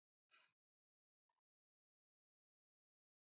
ترکیه او پاکستان سره نښلوي.